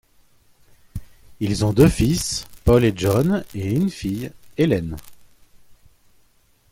Ils ont deux fils, Paul et John et une fille, Hélène.